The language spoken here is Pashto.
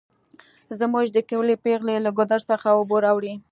زمونږ د کلي پیغلې له ګودر څخه اوبه راوړي